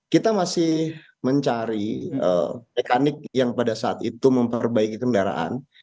kita masih mencari mekanik yang pada saat itu memperbaiki kendaraan